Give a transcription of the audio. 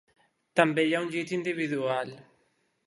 També hi ha un llit individual.